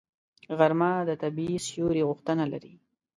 غرمه د طبیعي سیوري غوښتنه لري